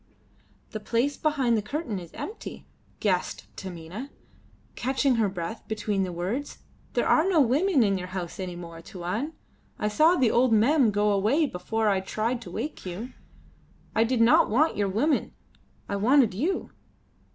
"The place behind the curtain is empty," gasped Taminah, catching her breath between the words. "There are no women in your house any more, Tuan. I saw the old Mem go away before I tried to wake you. I did not want your women, I wanted you."